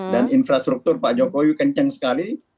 dan infrastruktur pak jokowi kenceng sekali